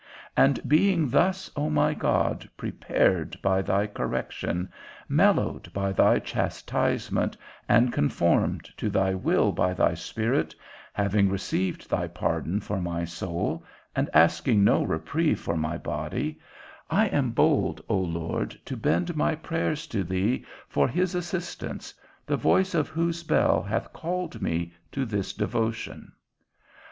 And being thus, O my God, prepared by thy correction, mellowed by thy chastisement, and conformed to thy will by thy Spirit, having received thy pardon for my soul, and asking no reprieve for my body, I am bold, O Lord, to bend my prayers to thee for his assistance, the voice of whose bell hath called me to this devotion.